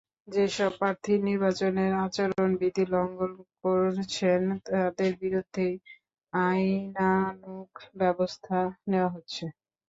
যেসব প্রার্থী নির্বাচনের আচরণবিধি লঙ্ঘন করছেন, তাঁদের বিরুদ্ধেই আইনানুগ ব্যবস্থা নেওয়া হচ্ছে।